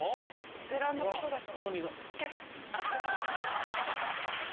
ベテランの方だから。